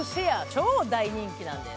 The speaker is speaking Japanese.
超大人気なんです。